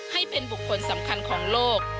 ให้เป็นบุคคลสำคัญของโลก